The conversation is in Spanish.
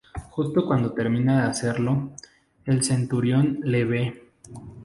Justo cuando termina de hacerlo, el centurión le ve.